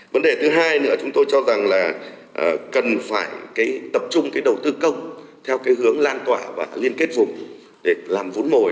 vấn đề thứ hai nữa chúng tôi cho rằng là cần phải tập trung cái đầu tư công theo cái hướng lan tỏa và liên kết vùng để làm vốn mồi